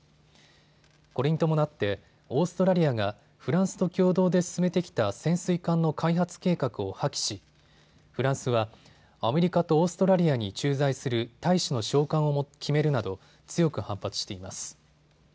これに伴ってオーストラリアがフランスと共同で進めてきた潜水艦の開発計画を破棄し、フランスは、アメリカとオーストラリアに駐在する大使の召還を決めるなど強く反発しています。